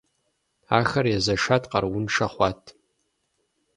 Ахэр езэшат, къарууншэ хъуат.